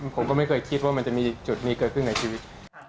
ผมก็ไม่เคยคิดว่ามันจะมีจุดนี้เกิดขึ้นในชีวิต